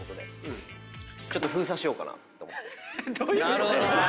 なるほどね。